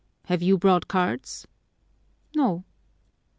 Have you brought cards?" "No."